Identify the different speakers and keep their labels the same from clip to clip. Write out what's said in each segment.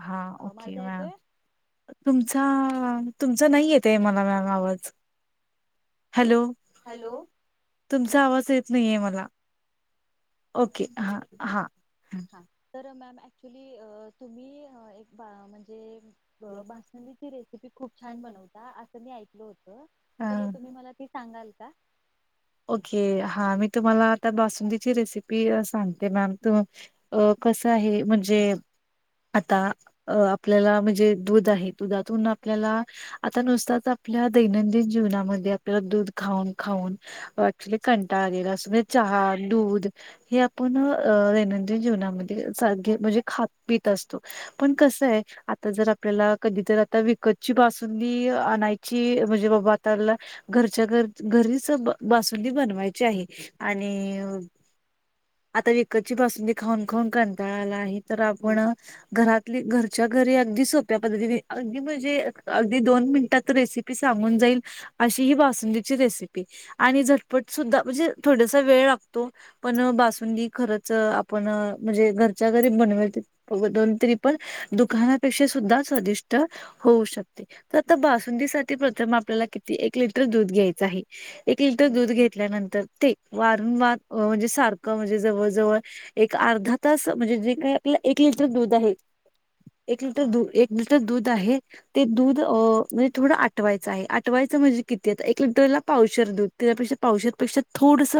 Speaker 1: हा okay ma'am तुमचा तुमचं नाई येतय मला मॅम आवाज हॅलो.
Speaker 2: हॅलो
Speaker 1: तुमचा आवाज येत नाइ मला ओके हा, हा, हु.
Speaker 2: ॲक्च्युली तुम्ही एक बा म्हणजे
Speaker 1: हा, ओके हा मी तुम्हाला आता बासुंदीची रेसिपी सांगते मॅम, कस आहे म्हणजे आता आपल्याला म्हणजे दूध आहे दुधातून आपल्याला आता नुसताच आपल्या दैनंदिन जीवनामध्ये आपल्याला दूध खाऊन खाऊन ऍक्च्युली कंटाळ आलेला असतो म्हणजे चहा दूध हे आपण दैनंदिन जीवनामध्ये सार म्हणजे खात पीत असतो पण कसय आता जर आपल्याला कधी तर आता विकतची बासुंदी आणायची म्हणजे बाबा आताला घरच्या घर घरीच बासुंदी बनवायची आहे आणि आता विकतची बासुंदी खाऊन खाऊन कंटाळा आला आहे. तर आपण घरात ली घरच्या घरी अगदी सो त्या पद्तीने अगदी म्हणजे अगदी दोन मिनटात रेसिपी सांगून जाईल अशी ही बासुंदीची रेसिपी आणि झटपट सुद्धा म्हणजे थोडसा वेळ लागतो पण बासुंदी खरच आपण म्हणजे घरच्या घरी बनवेल दोन तरी पण दुकानापेक्षा सुद्धा स्वादिष्ट होऊ शकते. तर का बासुंदी साठी प्रथम आपल्याला किती एक लिटर दूध घ्यायच आहे. एक लिटर दूध घेतल्यानंतर ते वारूनवार म्हणजे सारखं म्हणजे जवळ जवळ एक अर्धा तास म्हणजे जे काही आपलं एक लिटर दूध आहे. एक लिटर दू एक दूध आहे ते दूध म्हणजे थोडं आटवायचं आहे. आटवायचं म्हणजे किती? आता एक लिटरला पावशर दुध त्याच्यापेक्षा पावशरपेक्षा थोडस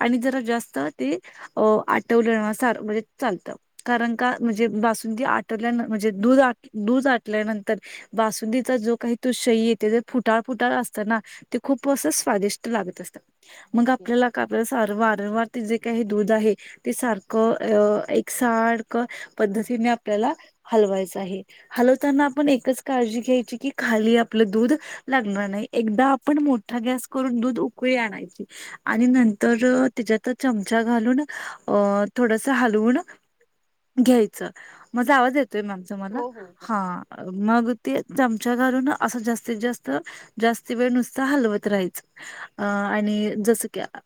Speaker 1: आणि जरा जास्त ते अ आटवल्यानुसार म्हणजे चालतं. कारण का, म्हणजे बासूनंदी आटवल्यान म्हणजे दूध दूध आटल्यानंतर बासुंदीचा जो काही तो शई येते जे फुटाळ फुटाळ असत ना, ते खूप असं स्वादिष्ट लागत असतं. मग आपल्याला का आपल्याला सार वारंवार ते जे काही दूध आहे ते सारखं अ एक सारखं पद्धतीने आपल्याला हलवायचं आहे. हलवताना आपण एकच काळजी घ्यायची कि खाली आपलं दुध लागणार नाइ एकदा आपण मोठा गॅस करून दूध उकळी आणायची आणि नंतर त्याच्यात चमचा घालून अ थोडस हलवून घ्यायचं. माजा आवाजये ते मागचं मला हा मग ते चमचा घालून असं जास्तीत जास्त जास्त वेळ नुसत हलवत राहायचं अ आणि जस कीं अ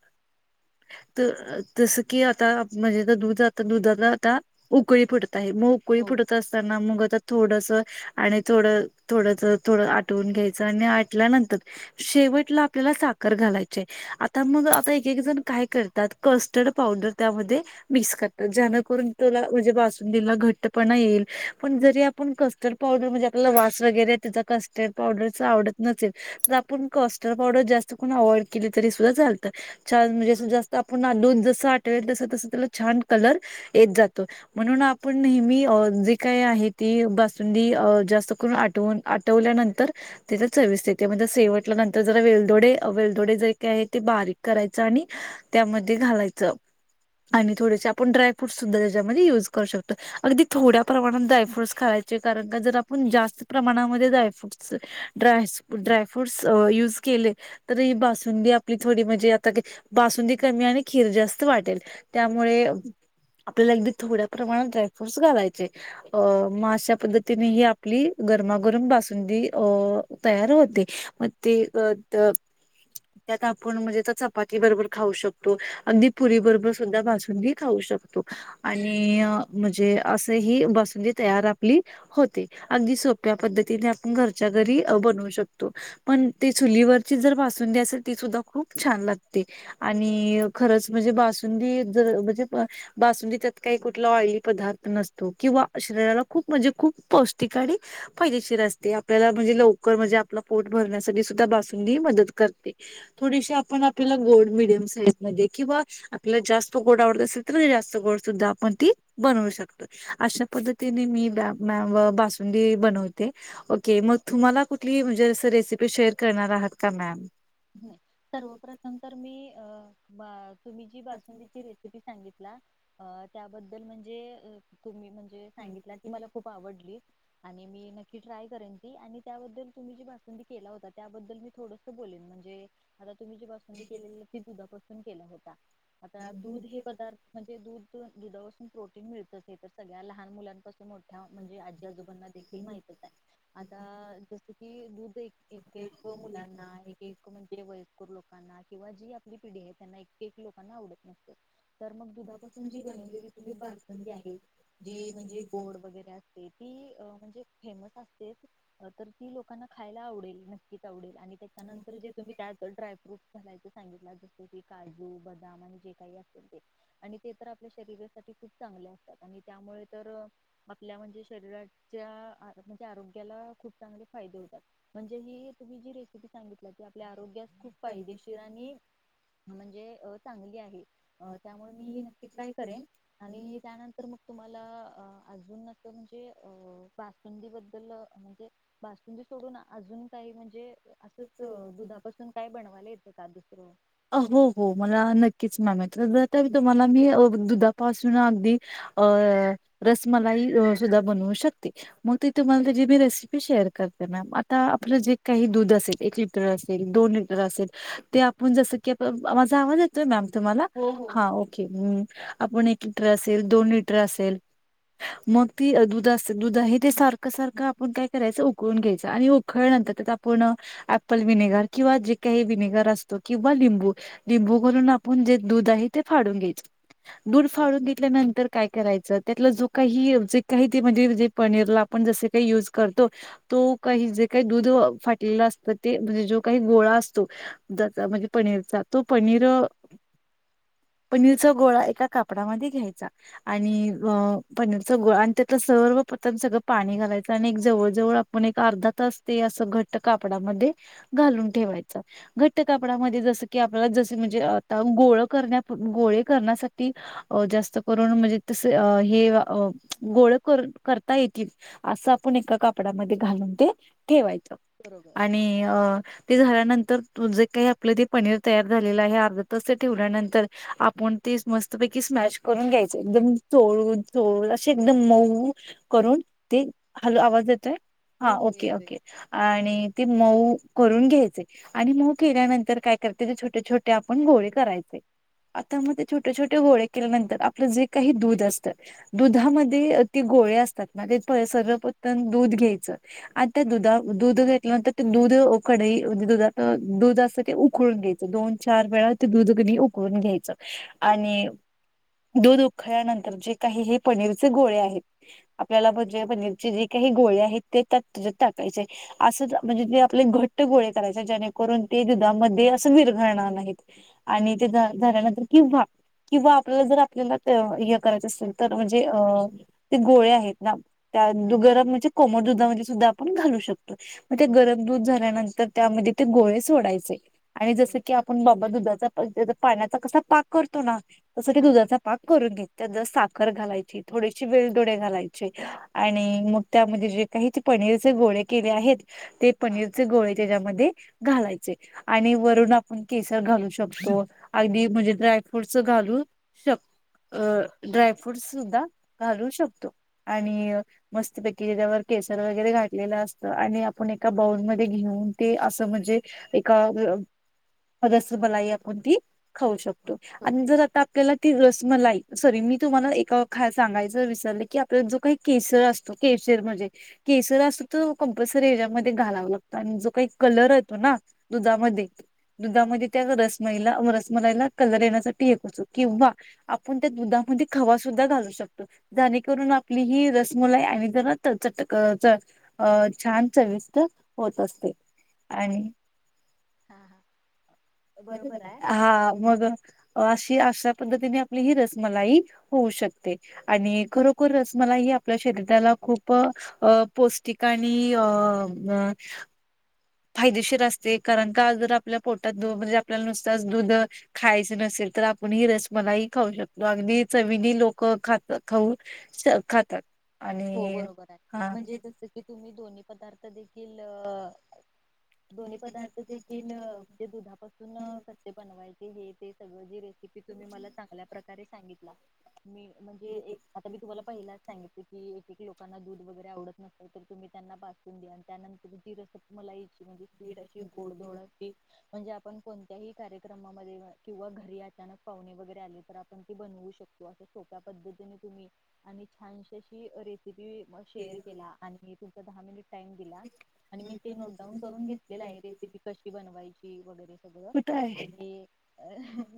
Speaker 1: तसं की आता म्हणजे दुध आ दुधाला आता उकळी फुट म उकळी फुटत असताना मग थोडस आणि थोड थोडच थोड आटवून घ्यायचं आणि आटल्यानंतर शेवटला आपल्याला साखर घालायचीय. आता मग आता एक एक जण काय करतात कस्टर्ड पावडर त्यामध्ये मिक्स करतात. ज्याने करून तोला बासुंदिला घट्टपणा येईल पण जरी आप आपण कस्टर्ड पावडर म्हणजे आपल्याला वास वगैरे त्याचा कस्टर्ड पावडरच आवडत नसेल तर आपण कस्टर्ड पावडर जास्त कोण अव्हइड केली तरी सुद्धा चालतं छान म्हणजे जास्त आपण दूध जस आठवेल तस तस त्याला छान कलर येत जातो म्हणून आपण नेहमी जे काय आहे ती बासुंदी जास्त करून आटवून आटवल्यानंतर त्याचा चविस येते म्हणजे शेवटला नंतर जरा वेलदोडे वेलदोडे जर का आहे ते बारीक करायच आणि त्यामध्ये घालायच आणि थोडेसे आपण ड्रायफ्रूटस सुद्धा त्याच्या युज करू शकतो अगदी थोड्या प्रमाणात ड्रायफ्रूटस खारायचे कारण का जर आपण जास्त प्रमाणामध्ये ड्रायफ्रूट ड्राय ड्रायफ्रूटस युज केले तर ही बासुंदी आपली थोडी म्हणजे आता बासुंदी कमी आणि खीर जास्त वाटेल त्यामुळे आपल्याला एकदा थोड्या प्रमाणात फुडस घालायचे अ म अशा पद्धतीने ही आपली गरमागरम बासुंदी अ तयार होते, मग ते त त्यात आपण म्हणजे चपाती बरोबर खाऊ शकतो, अगदी पुरी बरोबर सुद्धा बासुंदी खाऊ शकत, आणि अ म्हणजे अस ही बासुंदीत तयार आपली होते, अगदी सोप्या पद्धतीने आपण घरच्या घरी बनवू शकतो, पण ती चुलीवरची जर बासुंदी असेल ती सुद्धा खूप छान लागते, आणि खरंच म्हणजे बासुंदी जर म्हणजे बासुंदी त्यात काही कुठला ऑइली पदार्थ नसतो किंवा शरीराला खूप म्हणजे खूप पौष्टिक आणि फायदेशीर असते, आपल्याला म्हणजे लवकर म्हणजे आपला पोट भरण्यासाठी सुद्धा बासुंदी मदत करते, थोडीशी आपण आपल्याला गोड मिडियम साईज मध्ये किंवा आपल्याला जास्त गोड आवडत असेल तर जास्त गोड सुद्धा आपण ती बनवू शकतो अशा पद्धतीने मी ब्या मॅम व बासुंदी बनवते, ओके मग तुम्हाला कुठली म्हणजे अस रेसिपी शेअर करणार आहात का मॅम?
Speaker 2: सर्वप्रथम तर मी अ [unintelligible] तुम्ही जी बासुंदीची रेसिपी सांगितला अ त्याबद्दल म्हणजे तुम्ही म्हणजे सांगितला ती मला खूप आवडली आणि मी नक्की ट्राय करेन ती आणि त्याबद्दल तुम्ही जी बासुंदी केला होता, त्याबद्दल मी थोडंस बोलेन म्हणजे [unintelligible] तुम्ही जी बासुंदी केलील होती ती दुधापासून केला होता, आता दूध हे पदार्थ म्हणजे दुध दुधापासून प्रो मिळत ते तर सगळ्या लहान मुलांपासून मोठ्या म्हणजे आजी आजोबांना देखील माहितच आहे, आता जस की दूध एक, एक, एक मुलांना एक, एक म्हणजे वयस्कोर लोकांना किंवा जी आपली पिढी आहे त्यांना एक, एक, लोकांना आवडत नसत. तर मग दुधापासून जी बनवलेली तुम्ही बासुंदी आहे जी म्हणजे गोड वगैरे असते, ती म्हणजे फेमस असते. ते अ तर ती लोकांना खायला आवडेल नक्कीच आवडेल. आणि त्याच्यानंतर जे तुम्ही त्यात ड्रायफ्रूट घालायच सांगितला जसं की काजू, बदाम, आणि जे काही असेल ते आणि ते तर आपल्या शरीरासाठी खूप चांगले असतात. आणि त्यामुळे तर आपल्या म्हणजे शरीराच्या आ म्हणजे आरोग्याला खूप चांगले फायदे होतात, म्हणजे ही तुम्ही जी रेसिपी सांगितल्या त्या आप आपल्या आरोग्यास खूप फायदेशीर आणि म्हणजे अ चांगली आहे. त्यामुळ मी नक्की ट्राय करेन आणि त्यानंतर मग तुम्हाला अ अजून म्हणजे अ बासुंदी बद्दल अ म्हणजे बासुंदी सोडून अजून काही म्हणजे असंच दु धा पासून काय बनवायला येतं का दुसरं
Speaker 1: क्कीच मॅम तुम्हाला मी अ दुधापासून अगदी अ रसमलाई सुद्धा बनू शकते, मग ती तुम्हाला त्याची मी रेसिपी शेअर करते मॅम आता आपलं जे काही दुध अस एक लिटर, असेल दोन लिटर, असेल ते आपुण जस की अप माझा आवाज येतोय मॅम तुम्हाला हा ओके आपुण एक लिटर असेल, दोन लिटर असेल, मग ती अ दुध स, दूध आहे ते सारख, सारख आपुण काय करायच उकळून घ्यायच आणि उकळल्यानंतर त्यात आपुण ॲप्पल विनेगर किंवा जे काही विनेगर असतो किंवा लिंबू, लिंबू घालून आपुन जे दूध आहे ते फाडून घ्यायच. दूध फाडून घेतल्यानंतर काय करायच त्यातल जो काही एक्झिक आहे ते, म्हणजे जे पनीरला आपण जस काही युज करतो, तो काही जे काही दूध फाटलेला अस त ते भयजो काही गोळा असतो त्याचा म्हणजे पनीरचा, तो पनीर, पनीरचा गोळा एका कापडामध्ये घ्यायचा आणि अ पनीरचा गोळा आणि त्यात सर्वपथम सगळं पाणी घालायचं आणि एक जवळ जवळ आपण एक अर्धा तास ते अस घट काप पडामध्ये घालून ठेवायच, घट्ट कापडामध्ये जस की आपल्याला जस म्हणजे, आता गोळ करण्या गोळे करण्यासाठी जास्त करून म्हणजे, तसे हे गोळ कर करता येतील असं, आपण एका कापडामध्ये घालून ते ठेवायच. आणि अ ते झाल्यानं तर जे काही आपल ते पनीर तयार झालेल आहे अर्धा तास ते ठेवल्यानंतर आपण ते मस्तपैकी स्मॅश करून घ्यायचं एकदम चोळून चोळून असे एकदम मऊ करून ते हॅलो आवाज येतोय? हा ओके, ओके. ते मऊ करून घ्यायचे आणि मऊ केल्यानंतर काय करते छोटे छोटे आपण गोळे करायचे आता मग ते छोटे छोटे गोळे केल्यानंतर आपलं जे काही दूध असत दुधामध्ये ते गोळे असतात सर्वप्रथम दूध घ्यायच आणि त्या दुधा दूध घेतल्यानंतर ते दूध कडई दुधात दूध असत ते उकळून घ्यायचं दोन चार वेळा ते दूध क उकळून घ्यायच आणि दूध उखळल्यानंतर जे काही हे पनीरचे गोळे आहेत आपल्याला म्हणजे पनीरचे जे काही गोळे आहेत त्यात त्याच्यात टाकायचेत. अस म्हणजे ते आपले घट्ट गोळे करायचे जेणेकरून ते दुधामध्ये अस विरघळणार नाहीत आणि ते झाल्यानंतर किंवा किंवा आपल्याला जर आपल्याला हे करायचं असेल तर म्हणजे अ ते गोळे आहेत ना त्या दूध गरा म्हणजे कोमट दुधामध्ये दूध आपण घालू शकत म ते गरम दूध झाल्यानंतर त्यामध्ये ते गोळे सोडायचे. आणि जस की आपण बाबा दुधात पाण्याचा कसा पाक करतो ना तस की दुधाचा पाक करून घेत त्यात जरा साखर घालायची थोडीशी वेलदोडे घालायचे आणि मग त्यामध्ये जे काही पनीरचे गोळे केले आहेत ते पनीरचे गोळे त्याच्यामध्ये घालायचे आणि वरून आपण केसर घालू शकतो अगदी म्हणजे ड्रायफ्रूटस घालू शक अ ड्राय फ्रुटस सुद्धा घालू शकतो आणि मस्तपैकी ह्याजावर केसर वगैरे घातलेल अस आणि आपण एका बाऊलमध्ये घेऊन ते अस म्हणजे एका रसमलाई आपण ती खाऊ शक तो आणि जर आता आपल्याला ती रसमलाई सॉरी मी तुम्हाला एक सांगायच विसरले की आपल्या जो काही केसर असतो केशर म्हणजे केसर असतो त कंपल्सरी ह्याज्यामध्ये घालाव लागतो आणि जो काइ कलर येतो ना दुधामध्ये, दुधामध्ये त्या रसमलाई ला रसमलाईला कलर येण्यासाठी किंवा आपण त्या दुधामध्ये खवा सुद्धा घालू शकतो जणेकरून आपली ही रसमलाई आणि जरा तचटक अ अ छान चविष्ट होत असते आणि हा मग अशी अशा पद्धतीने रसमलाई होऊ शकते आणि खरोखर रचमलाई आपल्या शरीराला खूप पो ठिकाणी अ ब फायदेशीर असते कारण का जर आपल्या पोटात दू म्हणजेच आपल्याला नुसताच दूध खायचं नसेल, तर आपण रसमलाई खाऊ शकतो. अगदी चवीने लोक खाता खाऊ खातात.
Speaker 2: हो, बरोबरय. म्हणजे जसं की दोन्ही पदार्थ देखील अ दोन्ही पदार्थ देखील ते दूधापासून कसे बनवायचे हे ते याची रेसिपी तुम्ही मला चांगल्या प्रकारे सांगितला. मी म्हणजे मी तुम्हाला हे पहिल्यांदाच सांगितलं एकेक लोकांना दूध वगैरे आवडत नसेल तर तुम्ही त्यांना पाजून द्या आणि त्यानंतर तो रसप मलाईची स्वीट अशी गोड धोड अशी म्हणजे आपण कोणत्याही कार्य किंवा घरी अचानक पाहुणे वगैरे आले तर आपण ती बनवू शकतो, असं सोप्या पद्धतीने आणि छानशी जशी रे टीपी म शेअर केला आणि तिथं दहा मिनिट टाइम दिला आणि मी ते नोट डाऊन करून घेतलेलय रेसिपी कशी बनवायची वगैरे सगळं आणि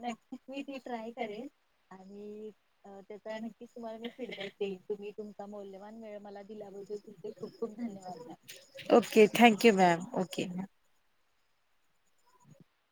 Speaker 2: नक्कीच मी ती ट्राय करेन आणि त्याचा नक्कीच तुम्हाला मी फीडबॅक देईन. तुम्ही तुमचा मौल्यवान वेळ मला दि दिल्याबद्दल तुमचे खूप खूप धन्यवाद मॅम‌.
Speaker 1: ओके.
Speaker 2: [inaudible]